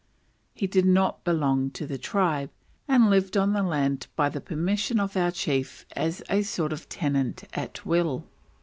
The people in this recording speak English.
He did not belong to the tribe, and lived on the land by the permission of our chief as a sort of tenant at will.